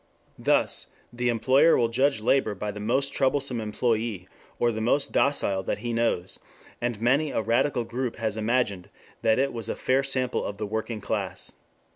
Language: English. Thus the employer will judge labor by the most troublesome employee or the most docile that he knows, and many a radical group has imagined that it was a fair sample of the working class.